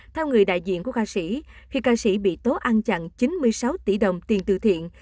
theo người đại diện của ca sĩ khi ca sĩ bị tố ăn chặn chín mươi sáu tỷ đồng tiền từ thiện